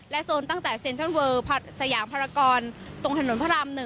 และโซนตั้งแต่เซ็นเทิร์นเวิร์ดสยางพรากรตรงถนนพระราม๑